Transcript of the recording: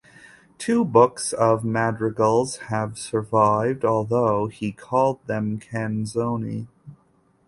Two books of madrigals have survived, although he called them "canzoni".